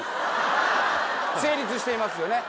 成立してます。